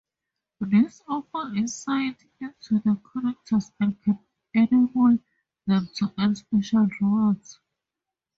These offer insight into the characters and can enable them to earn special rewards.